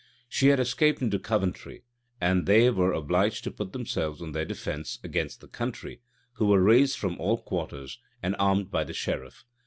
She had escaped into Coventry; and they were obliged to put themselves on their defence against the country, who were raised from all quarters and armed by the sheriff.